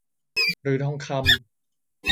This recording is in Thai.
หรือทองคำ